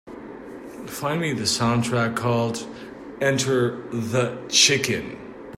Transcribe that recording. Find me the soundtrack called Enter the Chicken